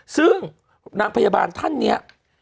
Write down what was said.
ซึ่งนางพยาบาลท่านเนี่ย